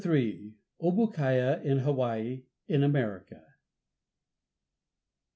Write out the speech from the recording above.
OBOOKIAH IN HAWAII IN AMERICA.